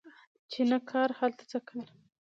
چی نه کار، هلته څه کار